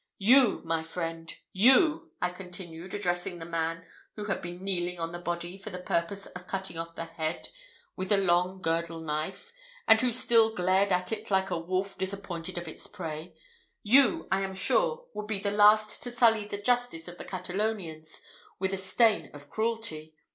You, my friend you," I continued, addressing the man who had been kneeling on the body for the purpose of cutting off the head with a long girdle knife, and who still glared at it like a wolf disappointed of its prey "you, I am sure, would be the last to sully the justice of the Catalonians with a stain of cruelty.